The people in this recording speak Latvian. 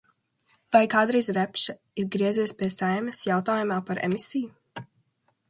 Vai kādreiz Repše ir griezies pie Saeimas jautājumā par emisiju?